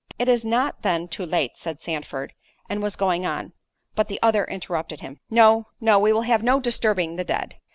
"It is not then too late," said Sandford, and was going on—but the other interrupted him. "No, no—we will have no disturbing the dead."